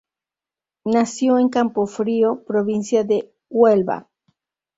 Nació en Campofrío, Provincia de Huelva.